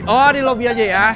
oh di lobby aja ya